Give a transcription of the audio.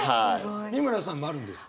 美村さんもあるんですか？